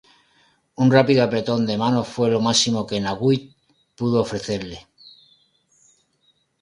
Un rápido apretón de manos fue lo máximo que Naguib pudo ofrecerle.